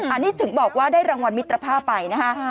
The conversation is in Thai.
อันนี้ถึงบอกว่าได้รางวัลมิตรภาพไปนะฮะ